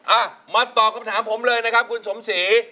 อ่ะมาต่อคำถามผมเลยคุณสมศรี